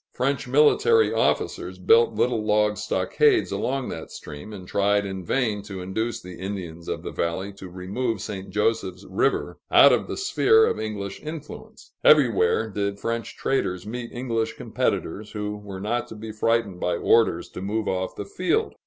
French military officers built little log stockades along that stream, and tried in vain to induce the Indians of the valley to remove to St. Joseph's River, out of the sphere of English influence. Everywhere did French traders meet English competitors, who were not to be frightened by orders to move off the field.